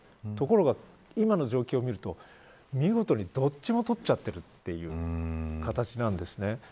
ところが今の状況を見ると見事に、どっちも取っちゃってるという形なんですね。